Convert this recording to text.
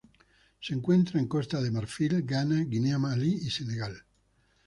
Se encuentra en Costa de Marfil, Ghana, Guinea, Malí y Senegal.